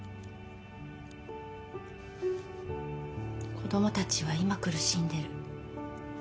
子供たちは今苦しんでる。